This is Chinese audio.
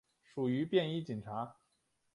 属于便衣警察。